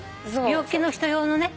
病気の人用のね。